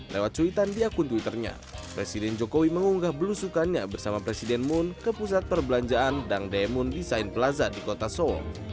lewat cuitan di akun twitternya presiden jokowi mengunggah belusukannya bersama presiden moon ke pusat perbelanjaan dangdae moon desain plaza di kota seoul